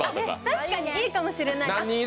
確かにいいかもしれない。